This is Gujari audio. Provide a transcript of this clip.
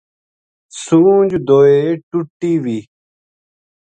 سونج دوئے ٹُٹی وی